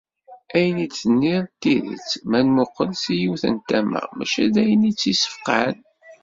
Ayen i d-tenniḍ d tidet ma nmuqel seg yiwet n tama, maca d ayen i tt-yesfeqεen.